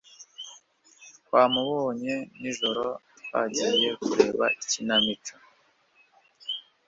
Twamubonye nijoro twagiye kureba ikinamico.